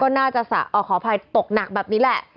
ก็น่าจะขออภัยตกหนักแบบนี้แหละ